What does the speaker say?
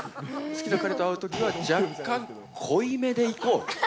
好きな彼と会うときは、若干濃いめでいこう！